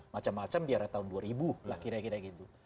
macam macam di arah tahun dua ribu lah kira kira gitu